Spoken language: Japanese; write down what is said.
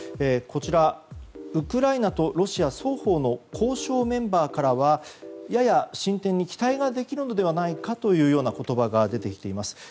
こちら、ウクライナとロシア双方の交渉メンバーからはやや進展に期待ができるのではないかという言葉が出てきています。